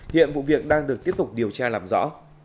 hiện vụ việc đang được tiếp tục điều tra làm rõ